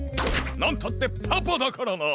なんたってパパだからな！